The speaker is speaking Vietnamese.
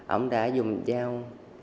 ổng đã dùng dao